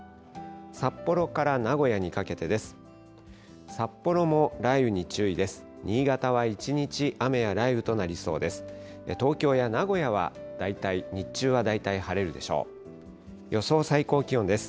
札幌から名古屋にかけてです。